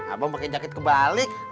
abang pake jaket kebalik